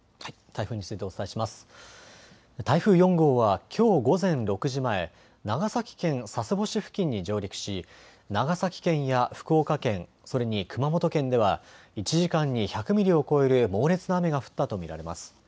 台風４号はきょう午前６時前、長崎県佐世保市付近に上陸し、長崎県や福岡県、それに熊本県では、１時間に１００ミリを超える猛烈な雨が降ったと見られます。